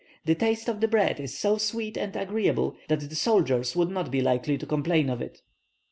The taste of the bread is so sweet and agreeable, that the soldiers would not be likely to complain of it."